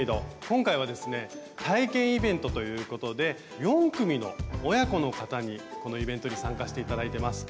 今回はですね体験イベントということで４組の親子の方にこのイベントに参加して頂いてます。